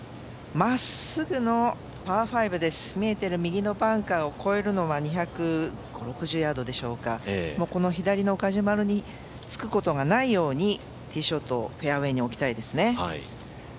まっすぐのパー５で見えている右のバンカーを越えるのは２５０２６０ヤードでしょうかこの左のガジュマルにつくことがないようにティーショットをフェアウエーに置きたいですね。